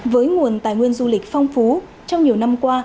với nguồn tài nguyên du lịch phong phú trong nhiều năm qua